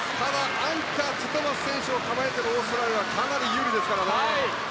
アンカーにティットマス選手を構えているオーストラリアはかなり有利ですからね。